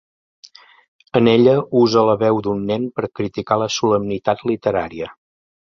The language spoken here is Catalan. En ella usa la veu d'un nen per criticar la solemnitat literària.